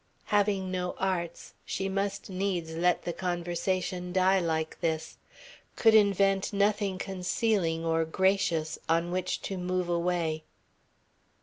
Having no arts, she must needs let the conversation die like this, could invent nothing concealing or gracious on which to move away.